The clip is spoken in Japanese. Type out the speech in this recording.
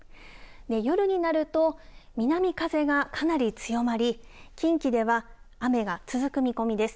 夜になると南風がかなり強まり、近畿では雨が続く見込みです。